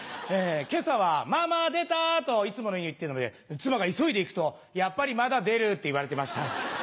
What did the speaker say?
今朝は「ママ出た！」といつものように言ってたので妻が急いで行くと「やっぱりまだ出る」って言われてました。